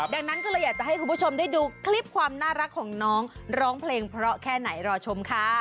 ดังนั้นก็เลยอยากจะให้คุณผู้ชมได้ดูคลิปความน่ารักของน้องร้องเพลงเพราะแค่ไหนรอชมค่ะ